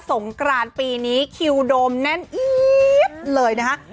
สงครานปีนี้คิวโดมแน่นเลยนะคะ